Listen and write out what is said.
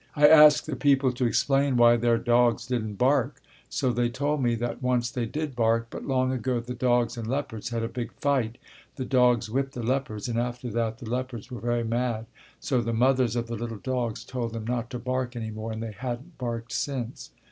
I asked the people to explain why their dogs didn't bark. So they told me that once they did bark, but long ago the dogs and leopards had a big fight, the dogs whipped the leopards, and after that the leopards were very mad, so the mothers of the little dogs told them not to bark any more, and they hadn't barked since.